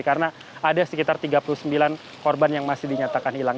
karena ada sekitar tiga puluh sembilan korban yang masih dinyatakan hilang